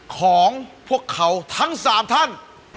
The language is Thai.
ของพวกเขาทั้ง๓ท่าน